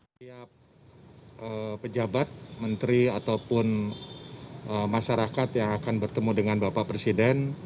setiap pejabat menteri ataupun masyarakat yang akan bertemu dengan bapak presiden